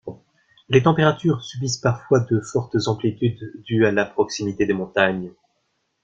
Les températures subissent parfois de fortes amplitudes dues à la proximité des montagnes.